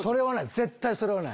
絶対それはない！